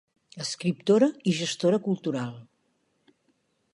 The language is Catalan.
Escriptora i gestora cultural.